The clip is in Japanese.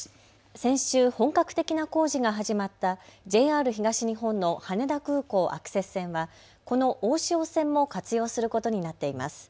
先週、本格的な工事が始まったＪＲ東日本の羽田空港アクセス線はこの大汐線も活用することになっています。